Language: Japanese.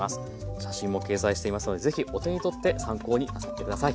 写真も掲載していますのでぜひお手に取って参考になさって下さい。